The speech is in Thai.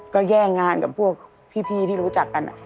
ก็แย่งงานกับพวกพี่ที่รู้จักกัน